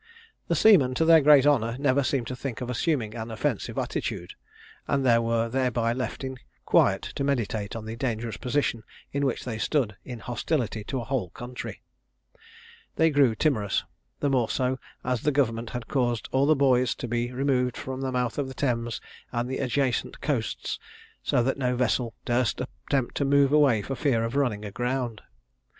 The seamen, to their great honour, never seemed to think of assuming an offensive attitude, and were thereby left in quiet to meditate on the dangerous position in which they stood in hostility to a whole country. They grew timorous; the more so, as the government had caused all the buoys to be removed from the mouth of the Thames and the adjacent coasts, so that no vessel durst attempt to move away for fear of running aground.